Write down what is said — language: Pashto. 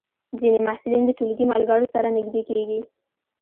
ځینې محصلین د ټولګي ملګرو سره نږدې کېږي.